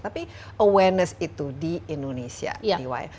tapi awareness itu di indonesia di wai